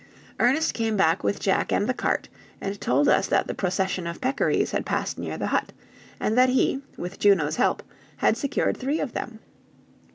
Ernest came back with Jack and the cart, and told us that the procession of peccaries had passed near the hut, and that he, with Juno's help, had secured three of them.